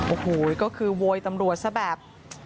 โอ้โหก็คือโวยตำรวจซะแบบ